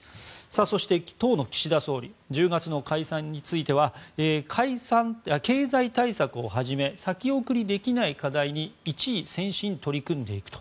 そして当の岸田総理１０月の解散については経済対策をはじめ先送りできない課題に一意専心取り組んでいくと。